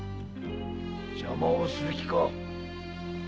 邪魔をする気か。